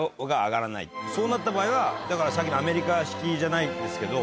そうなった場合はだからさっきのアメリカ式じゃないですけど。